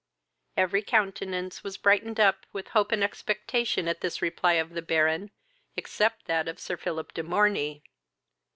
Every countenance was brightened up with hope and expectation at this reply of the Baron, except that of Sir Philip de Morney.